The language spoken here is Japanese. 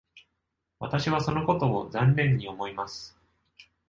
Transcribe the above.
私はそのことを残念に思います。